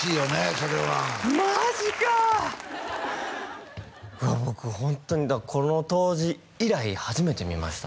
それはマジか僕ホントにこの当時以来初めて見ました